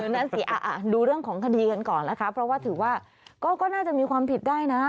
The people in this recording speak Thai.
นั่นสิดูเรื่องของคดีกันก่อนนะคะเพราะว่าถือว่าก็น่าจะมีความผิดได้นะ